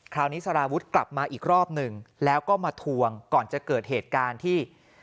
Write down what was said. สารวุฒิกลับมาอีกรอบหนึ่งแล้วก็มาทวงก่อนจะเกิดเหตุการณ์ที่